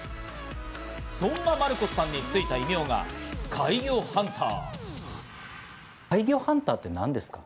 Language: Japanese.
そんなマルコスさんについた異名が怪魚ハンター。